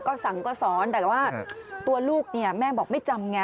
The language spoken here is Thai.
ก็สั่งก็สอนแต่ว่าตัวลูกเนี่ยแม่บอกไม่จำไง